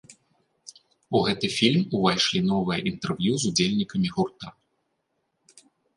У гэты фільм увайшлі новыя інтэрв'ю з удзельнікі гурта.